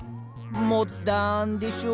モダーンでしょ？